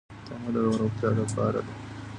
تنوع د روغتیا لپاره ده.